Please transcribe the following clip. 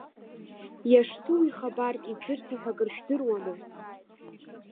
Иашсоу ихабар, иӡырҭа ҳәа акры жәдыруама?!